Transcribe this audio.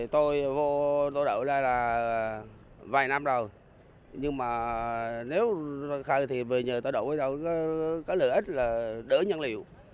tổ đội ra là vài năm rồi nhưng mà nếu khơi thì về nhờ tổ đội có lợi ích là đỡ nhân liệu